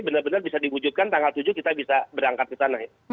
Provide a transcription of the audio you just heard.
benar benar bisa diwujudkan tanggal tujuh kita bisa berangkat ke sana